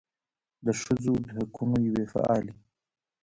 د ښځو د حقونو یوې فعالې